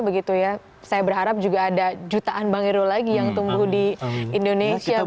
saya berharap juga ada jutaan bang irol lagi yang tumbuh di indonesia